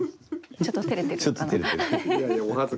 ちょっと照れてる。